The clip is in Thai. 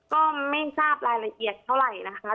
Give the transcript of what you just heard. ก็ไม่ทราบรายละเอียดเท่าไหร่นะคะ